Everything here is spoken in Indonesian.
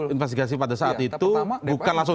audit investigatif pada saat itu bukan